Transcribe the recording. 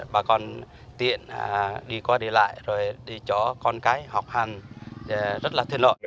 bà con tiện đi qua đi lại rồi đi cho con cái học hành rất là thiên lợi